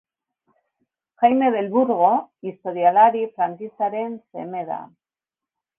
Jaime del Burgo historialari frankistaren seme da.